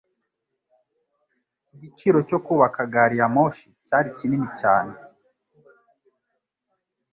Igiciro cyo kubaka gari ya moshi cyari kinini cyane.